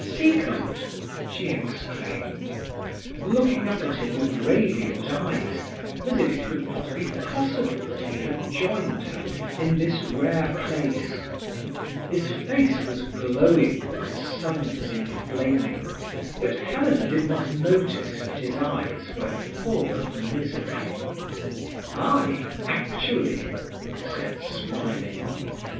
"Siegmund!" she exclaimed, looking up at him with radiant eyes, as if it could not be possible that he had joined her in this rare place. His face was glowing with the sun's inflaming, but Helena did not notice that his eyes were full of misery. "I, actually," he said, smiling.